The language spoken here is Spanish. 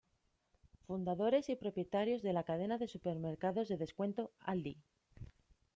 Fundadores y propietarios de la cadena de supermercados de descuento Aldi.